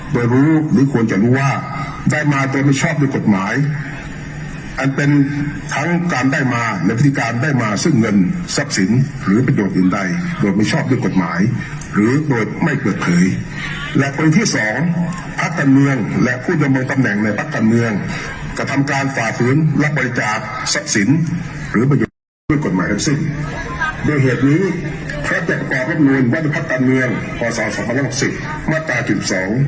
โดยรู้หรือควรจะรู้ว่าได้มาโดยไม่ชอบด้วยกฎหมายอันเป็นทั้งการได้มาหรือพิธีการได้มาซึ่งเงินทรัพย์สินหรือประโยชน์อื่นใดโดยไม่ชอบด้วยกฎหมายหรือโดยไม่เกิดเผยและตัวที่๒พักการเมืองและผู้ดำตำแหน่งในพักการเมืองกระทำการฝ่าฝืนรับบริกากเงินทรัพย์สินหรือประโยชน์อื่นใดด้